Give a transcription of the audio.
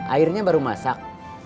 airnya baru masak